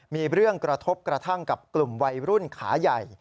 มีเรื่องกระทบกระทั่งกับกลุ่มวัยรุ่นขาใหญ่